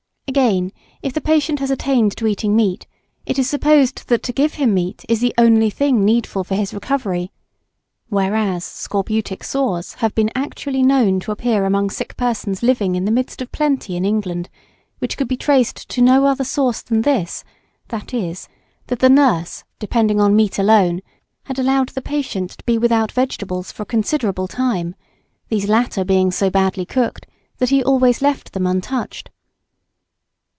Again, if the patient has attained to eating meat, it is supposed that to give him meat is the only thing needful for his recovery; whereas scorbutic sores have been actually known to appear among sick persons living in the midst of plenty in England, which could be traced to no other source than this, viz.: that the nurse, depending on meat alone, had allowed the patient to be without vegetables for a considerable time, these latter being so badly cooked that he always left them untouched.